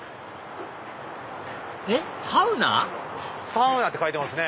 えっサウナ⁉「サウナ」って書いてますね。